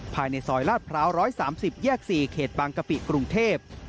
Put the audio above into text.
ภายในซอยลาดพร้าว๑๓๐แยก๔เขตบางกะปิกรุงเทพ